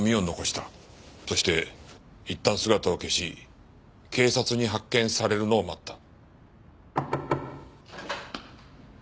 そしていったん姿を消し警察に発見されるのを待った。